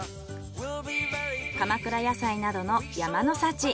鎌倉野菜などの山の幸。